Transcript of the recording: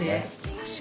確かに。